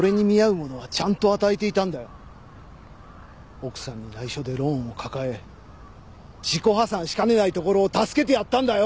奥さんに内緒でローンを抱え自己破産しかねないところを助けてやったんだよ！